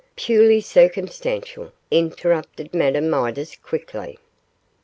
'Purely circumstantial,' interrupted Madame Midas, quickly.